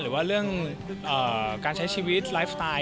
หรือว่าเรื่องการใช้ชีวิตไลฟ์สไตล์